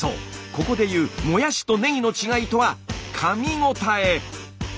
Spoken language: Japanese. ここで言うもやしとねぎの違いとはかみごたえ。